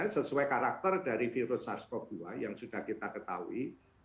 sesuai karakter dari virus sars cov dua yang sudah kita ketahui